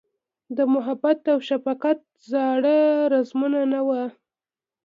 د محبت اوشفقت زاړه رمزونه، نه وه